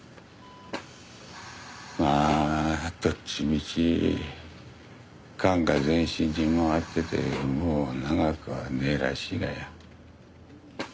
まあどっちみちがんが全身に回っててもう長くはねえらしいがよ。